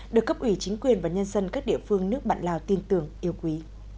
được cấp ủy chính quyền và nhân dân các địa phương nước bạn lào tin tưởng yêu quý